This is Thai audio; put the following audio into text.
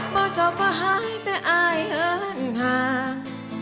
บอกจบว่าหายแต่อายเหินทาง